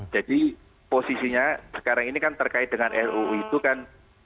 jadi posisinya sekarang ini kan terkait dengan ruu itu kan